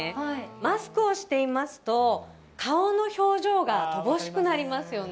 マスクをしていますと、顔の表情が乏しくなりますよね。